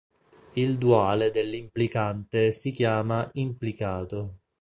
Il duale dell'implicante si chiama "implicato".